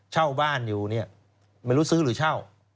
เช่าบ้านอยู่เนี่ยไม่รู้ซื้อหรือเช่า